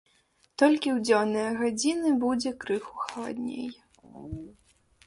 Толькі ў дзённыя гадзіны будзе крыху халадней.